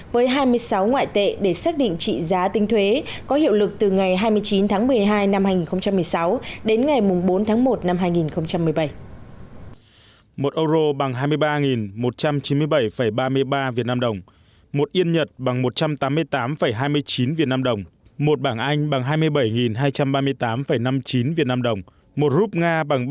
với hai mươi sáu ngoại tệ để xác định trị giá tính thuế có hiệu lực từ ngày hai mươi chín tháng một mươi hai năm hai nghìn một mươi sáu đến ngày bốn tháng một năm hai nghìn một mươi bảy